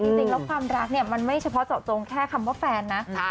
จริงแล้วความรักเนี่ยมันไม่เฉพาะเจาะจงแค่คำว่าแฟนนะ